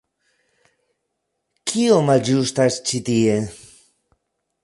Kio malĝustas ĉi tie?